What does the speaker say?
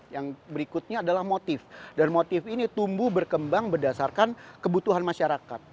yang berikutnya adalah motif dan motif ini tumbuh berkembang berdasarkan kebutuhan masyarakat